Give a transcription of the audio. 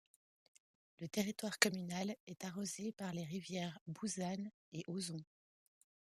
Le territoire communal est arrosé par les rivières Bouzanne et Auzon.